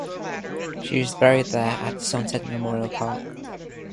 She is buried there at Sunset Memorial Park.